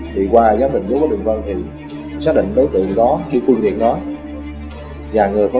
thì qua giá bình vô có được văn hình xác định đối tượng đó khi quân điện đó và người có